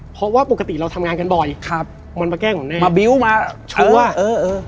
เพราะว่าปกติเราทำงานกันบ่อยมันมาแกล้งผมแน่มาบิ๊วต์มาชัวร์